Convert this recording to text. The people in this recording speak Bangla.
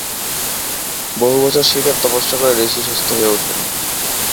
বহুবছর শিবের তপস্যা করে ঋষি সুস্থ হয়ে ওঠেন।